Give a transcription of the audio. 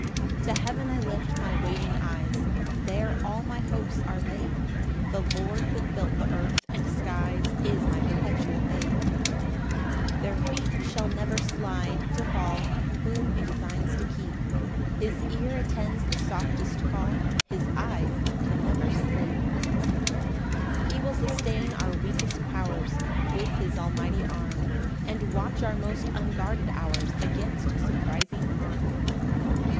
1 To heaven I lift my waiting eyes, There all my hopes are laid: The Lord that built the earth and skies Is my perpetual aid. 2 Their feet shall never slide to fall Whom he designs to keep; His ear attends the softest call, His eyes can never sleep. 3 He will sustain our weakest powers With his almighty arm, And watch our most unguarded hours Against surprising harm.